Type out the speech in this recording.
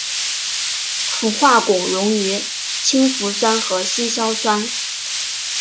氟化汞溶于氢氟酸和稀硝酸。